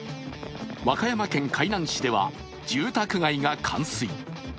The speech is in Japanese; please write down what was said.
和歌山県海南市では住宅街が冠水。